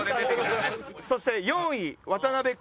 そして４位渡辺君。